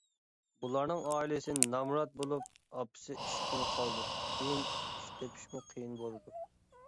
بۇلارنىڭ ئائىلىسى نامرات بولۇپ، ئاپىسى ئىشتىن قالىدۇ، كېيىن ئىش تېپىشمۇ قىيىن بولىدۇ.